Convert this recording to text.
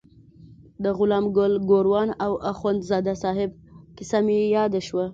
د غلام ګل ګوروان او اخندزاده صاحب کیسه مې یاده شوه.